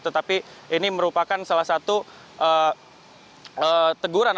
tetapi ini merupakan salah satu teguran